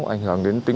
riêng đồng chí huyền